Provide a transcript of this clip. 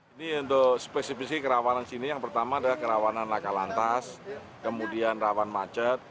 ini untuk spesifikasi kerawanan sini yang pertama adalah kerawanan laka lantas kemudian rawan macet